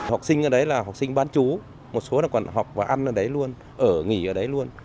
học sinh ở đấy là học sinh bán chú một số là còn học và ăn ở đấy luôn ở nghỉ ở đấy luôn